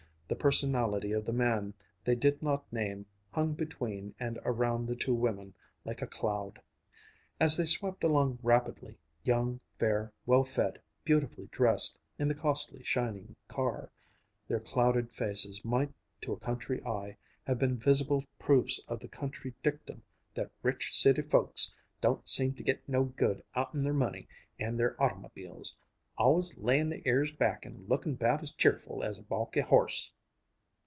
The personality of the man they did not name hung between and around the two women like a cloud. As they swept along rapidly, young, fair, well fed, beautifully dressed, in the costly, shining car, their clouded faces might to a country eye have been visible proofs of the country dictum that "rich city folks don't seem to get no good out'n their money and their automobiles: always layin' their ears back and lookin' 'bout as cheerful as a balky horse."